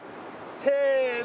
せの。